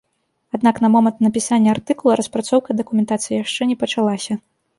Аднак на момант напісання артыкула распрацоўка дакументацыі яшчэ не пачалася.